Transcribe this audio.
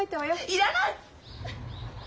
要らない！